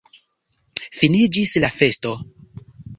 Finiĝis la festo.